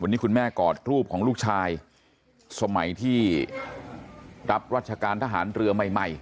วันนี้คุณแม่กอดรูปของลูกชายสมัยที่รับรัชการทหารเรือใหม่ใหม่